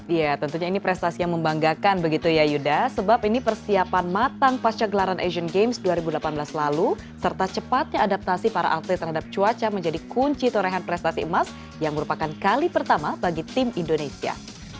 ya tentunya ini prestasi yang membanggakan begitu ya yuda sebab ini persiapan matang pasca gelaran asian games dua ribu delapan belas lalu serta cepatnya adaptasi para atlet terhadap cuaca menjadi kunci torehan prestasi emas yang merupakan kali pertama bagi tim indonesia